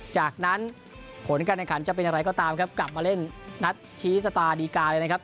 จากนั้นผลการแข่งขันจะเป็นอย่างไรก็ตามครับกลับมาเล่นนัดชี้ชะตาดีกาเลยนะครับ